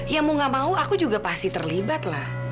ya mau gak mau aku juga pasti terlibat lah